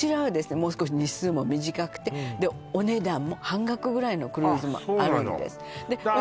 もう少し日数も短くてお値段も半額ぐらいのクルーズもあるんですあっそうなの？